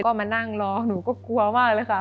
ก็มานั่งรอหนูก็กลัวมากเลยค่ะ